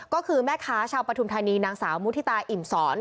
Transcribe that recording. ก็คือแม่ค้าชาวปฐุมธานีนางสาวมุฒิตาอิ่มสอน